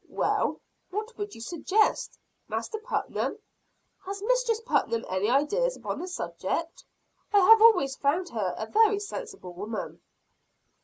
"Well, what would you suggest, Master Putnam? Has Mistress Putnam any ideas upon the subject? I have always found her a very sensible woman."